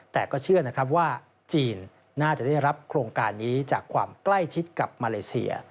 แต่ก็เชื่อนะครับว่าจีนน่าจะได้รับโครงการนี้จากความใกล้ชิดกับมาเลเซีย